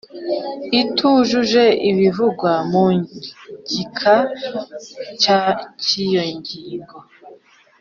itujuje ibivugwa mu gika cya cy iyo ngingo